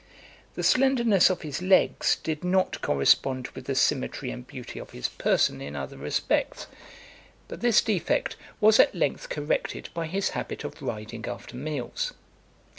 The slenderness of his legs did not correspond with the symmetry and beauty of his person in other respects; but this defect was at length corrected by his habit of riding after meals.